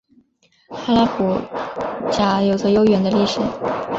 哈拉卜贾有着悠久的历史。